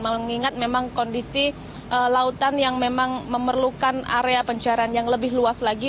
mengingat memang kondisi lautan yang memang memerlukan area pencarian yang lebih luas lagi